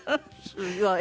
すごい。